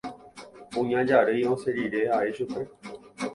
Kuña Jarýi osẽ rire ae chupe.